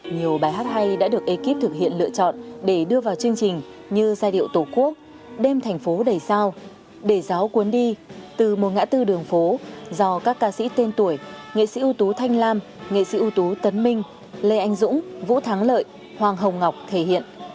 nhiều bài hát hay đã được ekip thực hiện lựa chọn để đưa vào chương trình như giai điệu tổ quốc đêm thành phố đầy sao để giáo cuốn đi từ một ngã tư đường phố do các ca sĩ tên tuổi nghệ sĩ ưu tú thanh lam nghệ sĩ ưu tú tấn minh lê anh dũng vũ thắng lợi hoàng hồng ngọc thể hiện